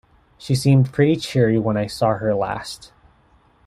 She seemed pretty cheery when I saw her last.